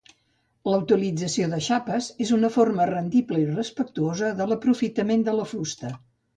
La utilització de xapes és una forma rendible i respectuosa de l'aprofitament de la fusta.